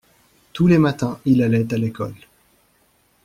Tous les matins il allait à l’école.